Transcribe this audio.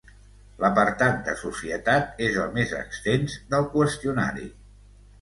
L'apartat de societat és el més extens del qüestionari.